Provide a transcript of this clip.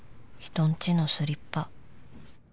人んちのスリッパ